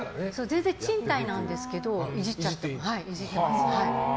全然、賃貸なんですけどいじってます。